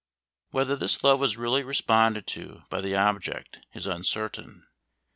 Whether this love was really responded to by the object, is uncertain.